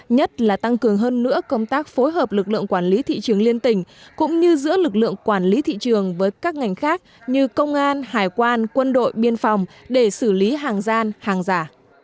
nhất là tăng cường hơn nữa công tác phối hợp lực lượng quản lý thị trường liên tỉnh cũng như giữa lực lượng quản lý thị trường với các ngành khác như công an hải quan quân đội biên phòng để xử lý hàng gian hàng giả